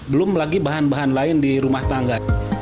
belum lagi bahan bahan lain di rumah tangga